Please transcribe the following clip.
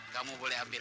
kamu boleh ambil